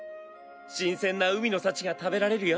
新鮮な海の幸が食べられるよ。